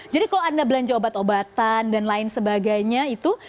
jadi kalau anda belanja obat obatan dan lain sebagainya itu